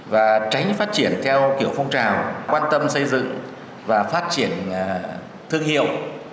và tránh phát triển theo kiểu phong trào quan tâm xây dựng và phát triển thương hiệu